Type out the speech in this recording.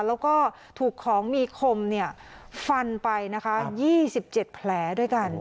แล้วก็ถูกของมีคมเนี่ยฟันไปนะคะยี่สิบเจ็ดแผลด้วยกัน